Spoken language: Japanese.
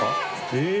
えっ！